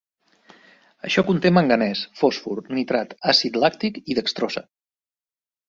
Això conté manganès, fòsfor, nitrat, àcid làctic i dextrosa!